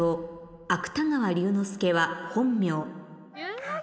芥川龍之介は本名龍之介！